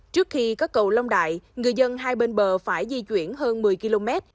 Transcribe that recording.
trước khi có cầu long đại người dân hai bên bờ phải di chuyển hơn một mươi km